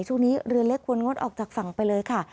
ช่วงนี้เรือเล็กควรงดออกจากฝั่งไปเลยค่ะ